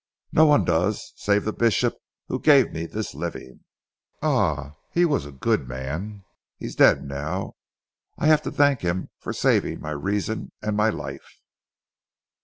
No one does save the Bishop who gave me this living. Ah! he was a good man. He is dead now. But I have to thank him for saving my reason and my life."